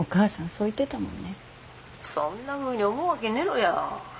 そんなふうに思うわげねぇろや。